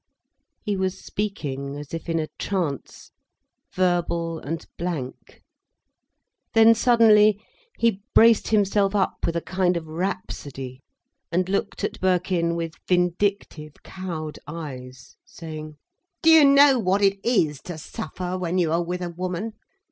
He was speaking as if in a trance, verbal and blank. Then suddenly he braced himself up with a kind of rhapsody, and looked at Birkin with vindictive, cowed eyes, saying: "Do you know what it is to suffer when you are with a woman?